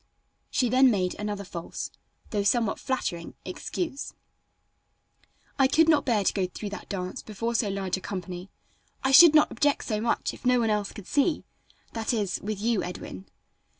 She then made another false, though somewhat flattering, excuse: "I could not bear to go through that dance before so large a company. I should not object so much if no one else could see that is, with you Edwin."